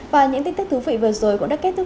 và những tin tức thú vị vừa rồi cũng đã kết thúc